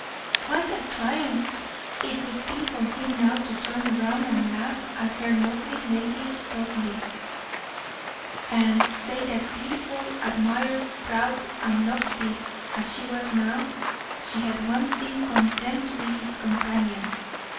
What a triumph it would be for him now to turn round and laugh at the lovely Lady Studleigh, and say that beautiful, admired, proud, and lofty as she was now, she had once been content to be his companion.